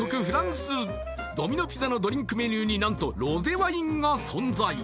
フランスドミノ・ピザのドリンクメニューに何とロゼワインが存在